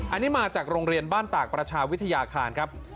อันนี้มาจากโรงเรียนบ้านตากประชาวิทยาคารครับ